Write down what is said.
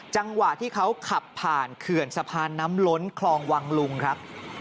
จังหวะที่เขาขับผ่านเขื่อนสะพานน้ำล้นคลองวังลุงครับ